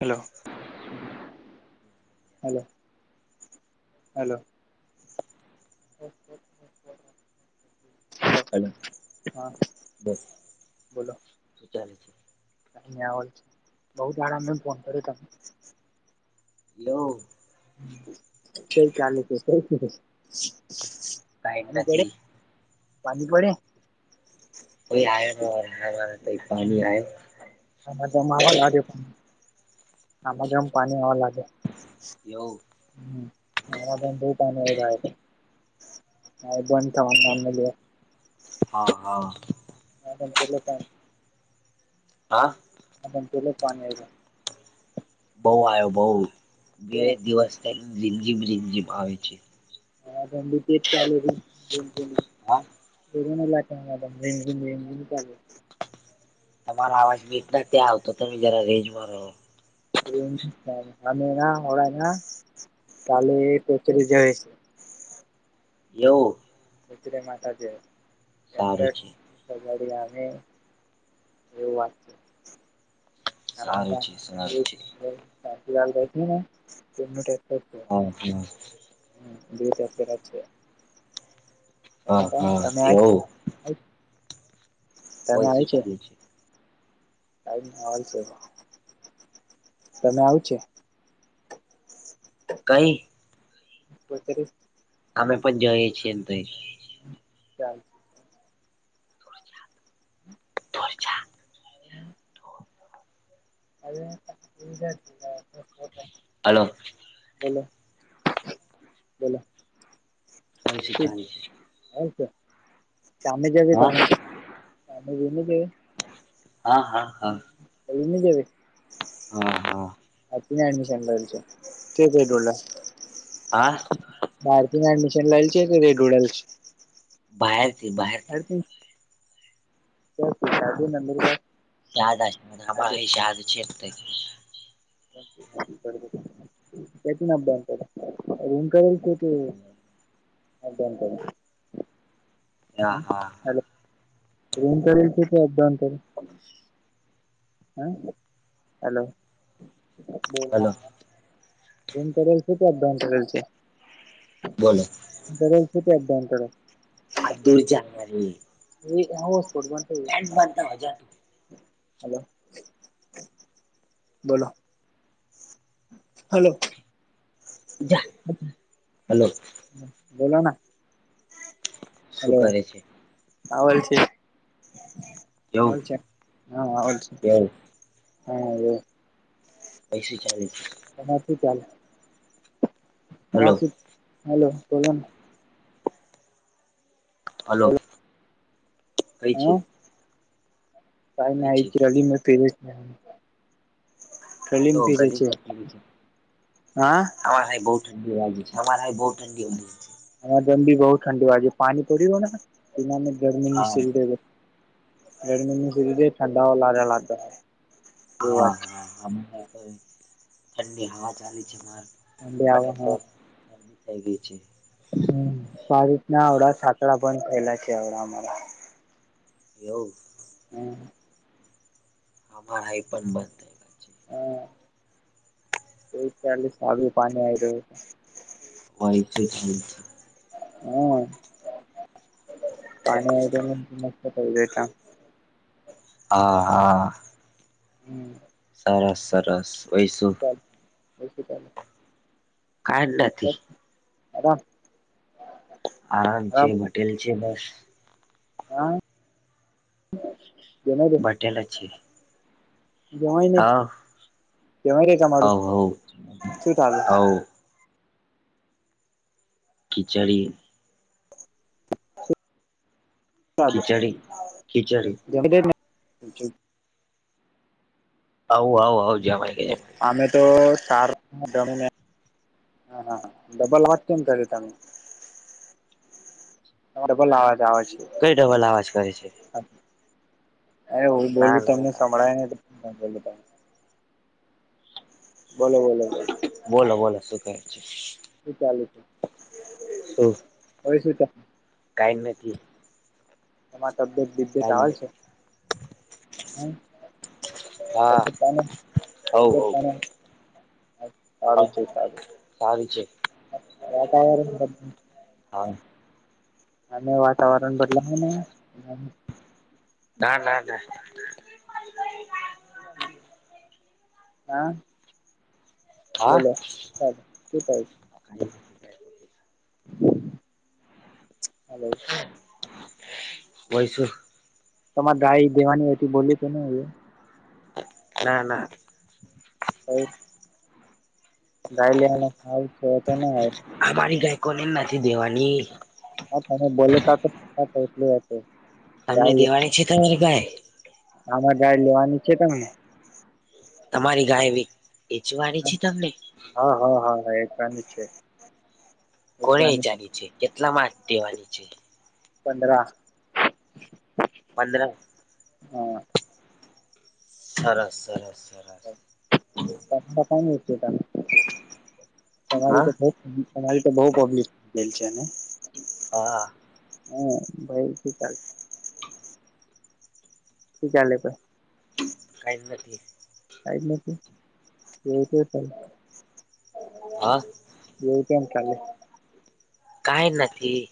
Hello hello hello ઓ. [unintelligible] Hello બસ શું ચાલે છે?? અહીયા હોય છે બઉુ જ આરામ ફોન કર્યો તમે હલો [unintelligible] પાણી પડે કાઈ નથી પાણી પડે. [unintelligible] કોઈ આયો ન તોઈ પાણી આયો આમાં આગમ પાણી હવા લાગે એવુ હ. [unintelligible] હા એ બંધ થવાનું નામ લે હા હા [unintelligible] હા [unintelligible] બઉ આવ્યો બઉ બે દિવસ જીમઝીમ જીમઝીમ આવે છે. હા [unintelligible] [unintelligible] તમારો અવાજ મીટ ના ત્યાં આવતો તમે જરા રેન્જમાં રહો અમે ના હોળ ના કાલે પોતરી જવી છે. [unintelligible] એવું એચરે માટે જે [unintelligible] તારુચીજ [unintelligible] કબડી આવે એવું વાત છે. સારું છે સારું છે [unintelligible] હ હા. બે છે તમે ક હા હા તમે આ. એવું તમે વૈસું ચાલે છે. ક હો છે તમે આવ છો. કઈ. બતરે. અમે પણ જએ છીએ તો. ચાલ. ધરજા. [unintelligible] હલોો. બલો. બલો. ન શી જ ન. હ સામે જવી હા તમે સામે જને જ. હા હા હા. એમ જેવે. હ હા. તશન છે કેટુંળ. હા. બાર ને એડમિશન લેલ છે કે રેડ ઉડેલ. બહારથી બહારથી. નંદરગ. શાજા શાદાબા હ શાજ છેક. [unintelligible] દમ કર. હ હા હા હ એમ કરલ છે કે અધોઉ. હ હલો. હલો જૂમ કરલ છે કે અધ્યાન કરેલ છે બોલો. બલ છે એકદમ અંતર. આજ દોરજ. એ હ ઓસ્પડ બનને. પ બાંધતા હજા. હલો બોલો. હલો. હલો. બોલોલો ના શું હલો. કરે છે આવલ છેલ છે કેવું હાલ છે. કેવું હા. પૈસી ચા. શ ચાલે. હલો તમા હલો બોલો. હલોો બોલો કઈ છે. કઈ ના કે રલી મે ફરે. એવો કલીમી જે છે ગલીમાં હા. અમાર હાઈ બહુ ઠંડી વાે છે અમા હાઈ બહુ ઠંડી વા છે. હ, ગરમી બહુ ઠંડી હોવા છે. પાણી પડીયું હો બના હા ગરમીની. રેડ મ સરી ઠંડા ઓ લ લગતા હ. [unintelligible] હા, હા, હા, તો ઠંડી હવા ચાલી છે, મારે ઠંડી આવે અને હ તો થઈ ગઈ છે. હ, આ રીતના આવડા સાકડા બંધ થયેલા છે આવડા અમારા. એવું. હમ. હ, ભરાઈ પણ બંધ. ગઈ છે હા, એ ચા, સાબું, પાણી આવી રહ્યું છે. હોય છે જ. હા, પાણી મસ્ત થ હા, હા. સરસ, સરસ. વૈસુ ચાલ બ શી ત [unintelligible] કાંઈ નથી. હરા. આરામ છે, બથેલા છે બસ. હા. બેથેલા છે. જવાય નહીં. હવ જવાય કંઈ તમારું હવ હવ શું ચાલે? હવ ખિચડી. ખીચડી બ ખીચડી [unintelligible] આવ, આવ, આવ જમાય ગ જમાય. [unintelligible] અમે તો સાર જણીને. હા, હા, હા, ડબલ વાચ ર તનું. [unintelligible] તમારો ડબલ આવાજ આવે છે. કંઈ ડબલ અવાજ કરે છે. અરે, હું ના બોલું, ના તમને ના સંભળાય ને? તો બોલ ત બોલો, બોલો, બોલો બોલો બોલો શું કહે છે શું ચાલુ છે? હોય શું તમને? કાઈ નથી. તમારે તબિયત કેવી કઈ ચાલે છે? નથી હમ, હા પાણી હવ હવ પાણી. સારું છો હા સારું છે વાતારણ. હા. અને હા વાતાવરણ બદલાય ને. ના, ના, લ હા, હા બોલો. ચ એક [unintelligible] હલો. કોઈ શું? તમારે ગાાય દેવાની બોલી તો ને. ના, ના. હ. ગાય લ ખાવ છે એ તો ના [inaudible] [unintelligible] અમારી ગાય કોને નથી દેવાની. હ, તમે બોતા તો. તમને દિવાળી છે, તારી ભાઈ. આમાર ગાડી લેવાની છે, તમને. તમારી ગાયવી વેચવાની છે તમને? હા હા હા હા એ પણની છે કોને એકાની ચાની છે કેટલા માર્ દેવાની છે. પંદ્ર. પંદર. હા. સરારસ સરસ સર. તમા તમે તમારી હા તો. અ તો બહ પબ્લિશ થ ગયેલ છે. હા. હમ ભાઈ ી ચાલ. શી ચાલે પ. કઈ નથી. કઈ જ નથી એ તો ચ. હા. એવ તમ ખાલે. કઈ નથી.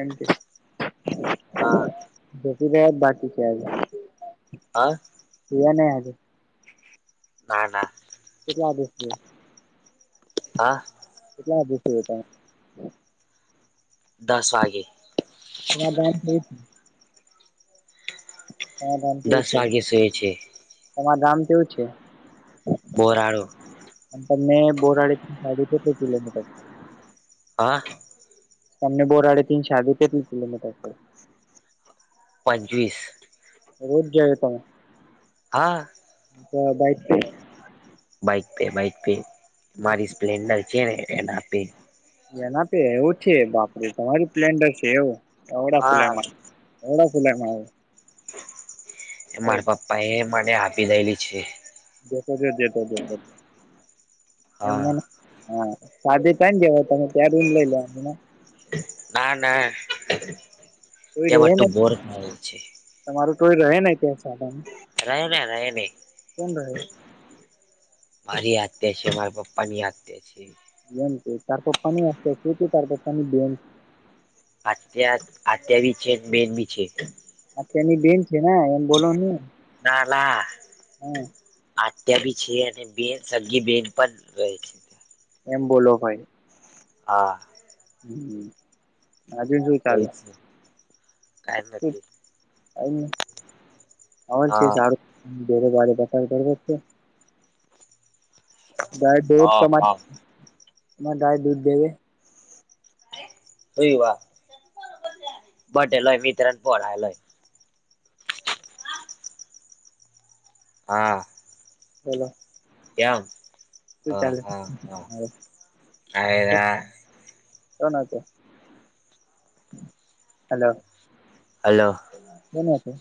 એમ હા જીદદ બાકી છે આજ. હા. નને આજે. ના ના. કેટલા દિવસ છે. હા. કેટલા દિવસ જો. દસ વાગે. એ ગ થ. ધામ કેવું દસ છે વાગે સુએ છે એમાં ધામ કેવું છે. બોરાળો. અને મેં બોરાડી સાડી છે કિલોમીટર. હા. તમને બોરાડે થીન સાઢે કેટલી કિલોમીટર પડે. પંચવીસ. રોજ જએ ત. હા. તો બાઇક. બાઈક પે બાઈક પે મારી સ્પ્લેન્ડર છે ને એે. એના તો એવું છે બાપરે તમારું પ્લેન્ડર છે એવુંડા ફલાયમાં. હા એડા ફલેમાં. મારા પપ્પા એ મને આપી દેલી છે. જતો જ જતો જતો એમને. હા હા સાધે ટ જવા તમે ત રૂમ લઈ લને. ના ના. તોય ત્યાં રહે ને બટું બોર થયું છે તમારું ટય રહે ને ત્યાં સાધા. રહેલા રહે ન. મારી યાદ છે મારા પપ્પા ની યાદ્યા છે. એમ તરફ પાણી શે તે તરફ પાણી દ. આટ્યા આટ્યા બી છે બેન બી છે. અ તેની બેન છે ને એમ બોલો નહી હા. આટ્યા ભી છે અને બેન સગી બેન પણ રહે છે. એમ બોલો ભાઈ. હા હમ આજ જો. હોહી છે કઈ નથી ર હા શષળ બેપારરબ છે ગાય દૂધ હા હા તમારેરે ગાય દૂધ દેવે સુય વા બટેલોય મિત્રણ ફલલોય હા હલો એમ હ હા હા હ હલો હલો કોના છે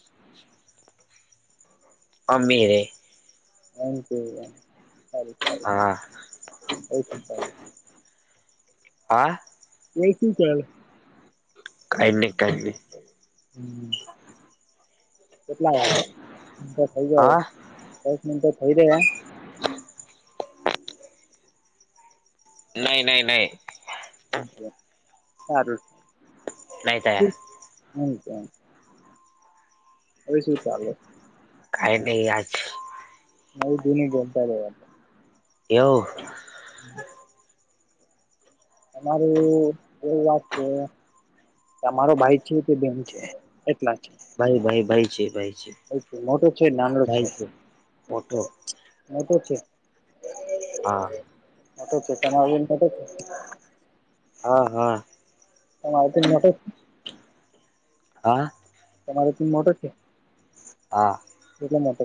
અમીરે હ ખ હા ઓ શ હ એ શું ક કઈ નહી કઈ ન હમ કેટલા વાગે મો થઈ જાય હા દસ મિનટો થઈ જાય નહી નહી નહી સારું નહી ત હમકે હવે શું ચાલે કઈ નહી આજ નવ દૂનિ ગપ આવે એવ અરું એવું વાત છે તમારો ભાઈ છે તે બેન છે એટલા છે ભાઈ ભાઈ ભાઈ છે ભાઈ છે મોટું છે નાનડું છે મોટો મોટું છે હા મોટ જ છે તમાર મો છે હા હા [unintelligible] હા તમારો ટીમ મોટો છે હા એ મોટ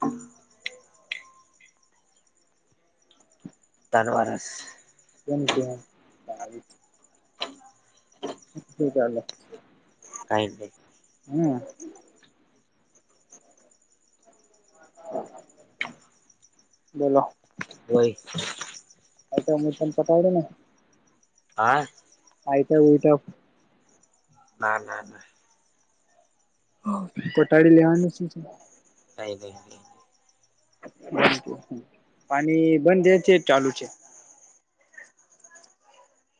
હમ ધનવારસ કે ન કે આવી જ છે અલા કઈ હમ હ બોલો હોહી આઈટમ ઉઇટમ પતાવડીને હા. આઈ તો ઉલટા. ના ના ના. પટાળી લેવાનું શું. નહી નહી નહી. બ પાણી બંધ છે ચાલુ છે.